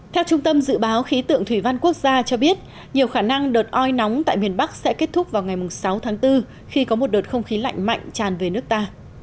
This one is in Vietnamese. theo trung tâm dự báo khí tượng thủy văn quốc gia cho biết nhiều khả năng đợt oi nóng tại miền bắc sẽ kết thúc vào ngày sáu tháng bốn khi có một đợt không khí lạnh mạnh tràn về nước ta